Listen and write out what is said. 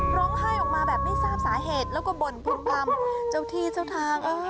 ร้องไห้ออกมาแบบไม่ทราบสาเหตุแล้วก็บ่นพึ่มพำเจ้าที่เจ้าทาง